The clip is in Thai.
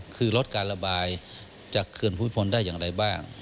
คือลดการระบายจากเขื่อนภูมิพลได้อย่างไรบ้าง